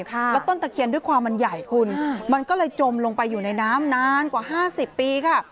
แล้วต้นตะเคียนด้วยความมันใหญ่คุณมันก็เลยจมลงไปอยู่ในน้ำนานกว่า๕๐ปีค่ะ